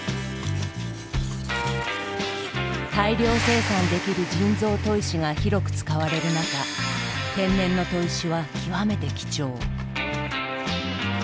大量生産できる「人造砥石」が広く使われる中天然の砥石は極めて貴重。